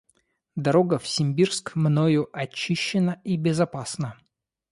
Дорога в Симбирск мною очищена и безопасна.